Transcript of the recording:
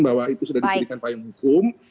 bahwa itu sudah diperlukan pak yang hukum